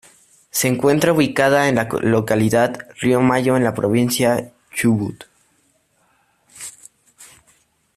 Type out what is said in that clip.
Se encuentra ubicada en la localidad de Río Mayo en la provincia del Chubut.